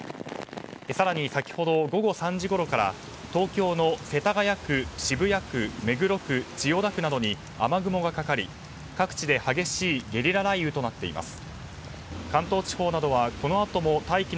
更に、先ほど午後３時ごろから東京の世田谷区渋谷区、目黒区、千代田区などに雨雲がかかり各地で激しいゲリラ雷雨となっています。